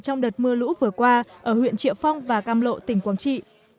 trong đợt mưa lũ vừa qua ở huyện triệu phong và cam lộ tỉnh quảng trị